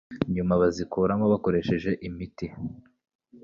nyuma bazikuramo bakoresheje imiti